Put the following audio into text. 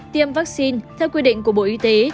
tiêm vaccine theo quy định của bộ y tế